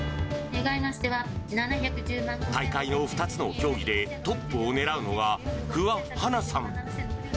大会の２つの競技でトップをねらうのは、不破花菜さん。